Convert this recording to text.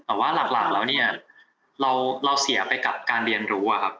แต่ว่าหลักแล้วเนี่ยเราเสียไปกับการเรียนรู้อะครับ